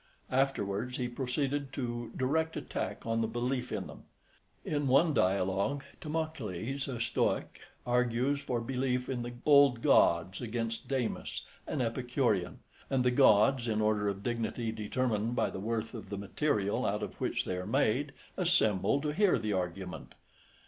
Afterwards he proceeded to direct attack on the belief in them. In one Dialogue Timocles a Stoic argues for belief in the old gods against Damis an Epicurean, and the gods, in order of dignity determined by the worth of the material out of which they are made, assemble to hear the argument.